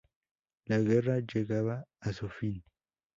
La guerra llegaba a su fin.